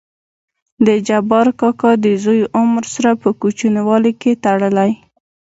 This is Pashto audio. دجبار کاکا دزوى عمر سره په کوچينوالي کې تړلى.